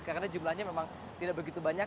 karena jumlahnya memang tidak begitu banyak